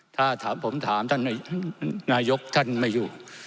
ถ้าผมถามท่านนายกท่านไม่อยู่